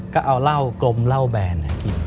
ก็เอาเหล้ากลมเหล้าแบนกิน